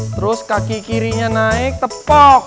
terus kaki kirinya naik tepok